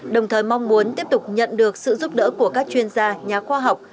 đồng thời mong muốn tiếp tục nhận được sự giúp đỡ của các chuyên gia nhà khoa học